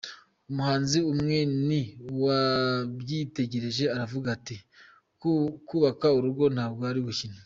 Umuhanzi umwe niwe wabyitegereje aravuga ati Kubaka urugo ntabwo ari ugukina.